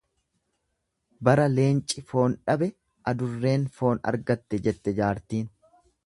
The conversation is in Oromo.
Bara leenci foon dhabe adurreen foon argatte jette jaartiin.